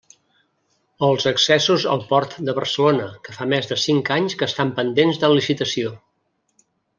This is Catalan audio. O els accessos al Port de Barcelona, que fa més de cinc anys que estan pendents de licitació.